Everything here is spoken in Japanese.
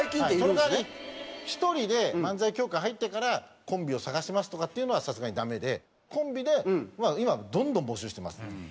その代わり１人で漫才協会入ってからコンビを探しますとかっていうのはさすがにダメでコンビで今どんどん募集してます。